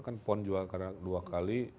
kan pon jual dua kali